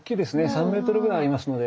３メートルぐらいありますので。